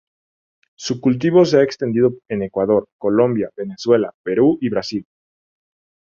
Su cultivo se ha extendido en Ecuador, Colombia, Venezuela, Perú y Brasil.